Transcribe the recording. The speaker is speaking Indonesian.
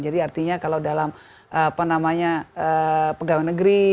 jadi artinya kalau dalam pegawai negeri